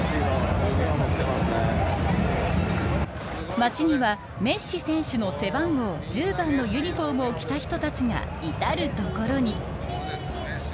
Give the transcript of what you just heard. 街には、メッシ選手の背番号１０番のユニホームを着た人たちが、至る所に。